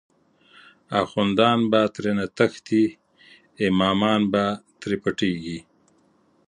اخوندان به ترینه تښتی، امامان به تری پټیږی